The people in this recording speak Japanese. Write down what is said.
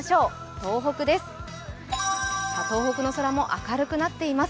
東北の空も明るくなっています。